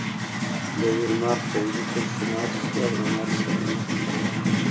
د ویرماخت جنګي کرښې ماتې شوې او له ماتې سره مخ دي